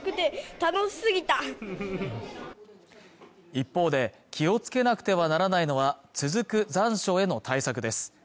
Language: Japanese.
一方で気をつけなくてはならないのは続く残暑への対策です